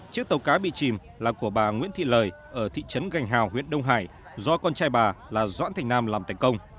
chiếc tàu cá bị chìm là của bà nguyễn thị lời ở thị trấn gành hào huyện đông hải do con trai bà là doãn thành nam làm thành công